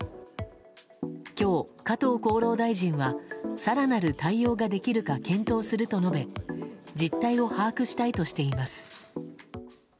今日、加藤厚労大臣は更なる対応ができるか検討すると述べ実態を把握したいとしています。